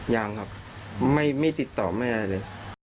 ยังครับไม่ติดต่อแม่เลย